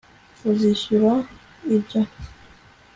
uzishyura ibyo